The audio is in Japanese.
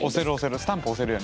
スタンプ押せるよね。